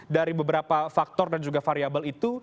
dari beberapa faktor dan juga variable itu